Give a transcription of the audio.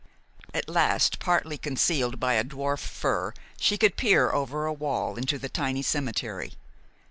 At last, partly concealed by a dwarf fir, she could peer over a wall into the tiny cemetery.